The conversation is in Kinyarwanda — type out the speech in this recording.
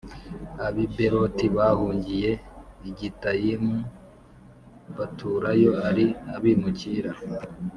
Ab i Beroti bahungiye i Gitayimu s baturayo ari abimukira